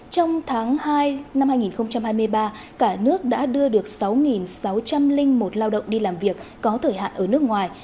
trong tháng hai năm hai nghìn hai mươi ba cả nước đã đưa được sáu sáu trăm linh một lao động đi làm việc có thời hạn ở nước ngoài